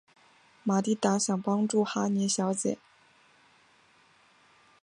玛蒂达想帮助哈妮小姐。